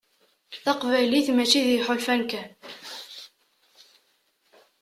Taqbaylit mačči d iḥulfan kan.